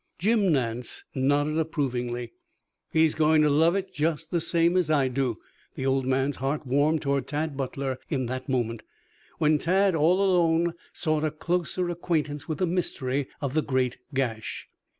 Jim Nance nodded approvingly. "He's going to love it just the same as I do." The old man's heart warmed toward Tad Butler in that moment, when Tad, all alone, sought a closer acquaintance with the mystery of the great gash.